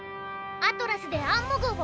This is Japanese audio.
アトラスでアンモ号を押すの！